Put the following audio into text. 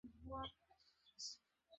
গিয়ে তোমার হাত দেখাও।